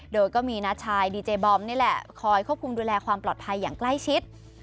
โดยก็มีน้าชายดีเจบอมนี่แหละคอยควบคุมดูแลความปลอดภัยอย่างใกล้ชิด